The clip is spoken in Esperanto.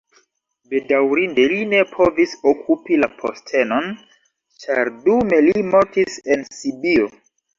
Bedaŭrinde li ne povis okupi la postenon, ĉar dume li mortis en Sibio.